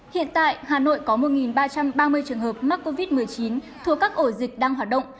hiện tại hà nội có một ba trăm ba mươi trường hợp mắc covid một mươi chín thuộc các ổ dịch đang hoạt động